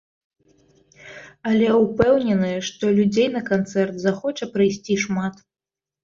Але ўпэўнены, што людзей на канцэрт захоча прыйсці шмат.